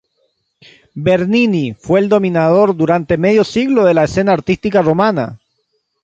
Bernini fue el dominador durante medio siglo de la escena artística romana.